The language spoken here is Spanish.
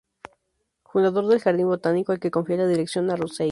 Fundador del jardín botánico al que confía la dirección a Rozier.